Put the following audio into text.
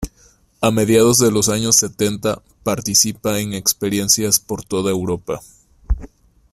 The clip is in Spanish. A mediados de los años setenta participa en experiencias por toda Europa.